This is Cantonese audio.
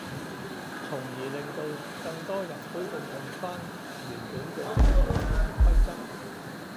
從而令到更多人恢復用返原本嘅正確用字規則